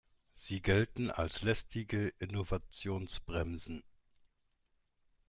Sie gelten als lästige Innovationsbremsen.